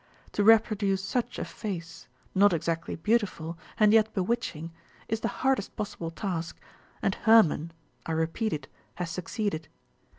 To reproduce such a face, not exactly beautiful, and yet bewitching, is the hardest possible task, and Hermon, I repeat it, has succeeded.